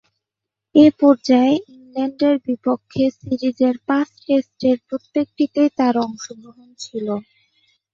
এ পর্যায়ে ইংল্যান্ডের বিপক্ষে সিরিজের পাঁচ টেস্টের প্রত্যেকটিতেই তার অংশগ্রহণ ছিল।